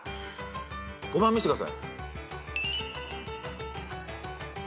５番見してください。